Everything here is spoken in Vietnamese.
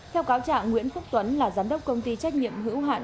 theo cáo trạng nguyễn phúc tuấn là giám đốc công ty trách nhiệm hữu hạn